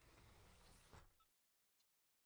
Dubai ni kwao.